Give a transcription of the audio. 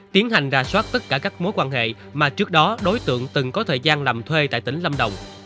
tiến hành ra soát tất cả các mối quan hệ mà trước đó đối tượng từng có thời gian làm thuê tại tỉnh lâm đồng